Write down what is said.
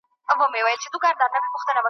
وسله هغه ده چي په لاس کي وي